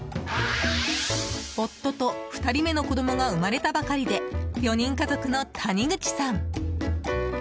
夫と、２人目の子供が生まれたばかりで４人家族の谷口さん。